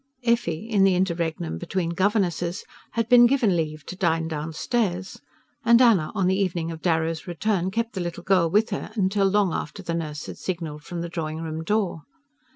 Effie, in the interregnum between governesses, had been given leave to dine downstairs; and Anna, on the evening of Darrow's return, kept the little girl with her till long after the nurse had signalled from the drawing room door.